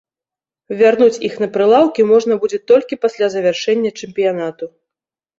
Вярнуць іх на прылаўкі можна будзе толькі пасля завяршэння чэмпіянату.